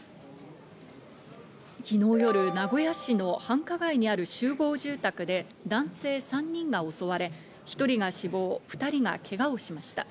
昨日夜、名古屋市の繁華街にある集合住宅で男性３人の襲われ１人が死亡、２人がけがをしました。